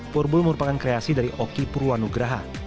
purbul merupakan kreasi dari oki purwanugraha